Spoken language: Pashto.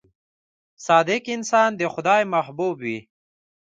• صادق انسان د خدای محبوب وي.